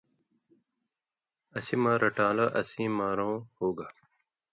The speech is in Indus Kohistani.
اسی مہ رٹان٘لو اسیں مارؤں ہُوگا۔